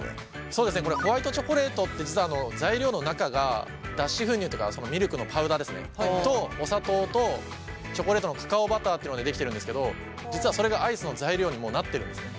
そうですねホワイトチョコレートって実は材料の中が脱脂粉乳とかミルクのパウダーですねとお砂糖とチョコレートのカカオバターっていうのでできてるんですけど実はそれがアイスの材料にもうなってるんですね。